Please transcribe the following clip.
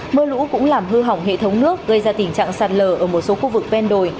mưa lũ cũng làm hư hỏng hệ thống nước gây ra tình trạng sạt lờ ở một số khu vực ven đồi